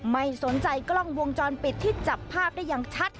ไม่สนใจกล้องวงจรปิดที่จับภาพได้อย่างชัด